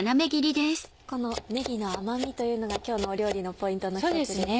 このねぎの甘みというのが今日の料理のポイントの１つですよね。